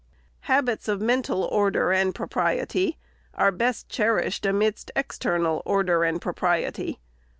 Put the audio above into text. Habits of mental order and propriety are best cherished amidst external order and propriety.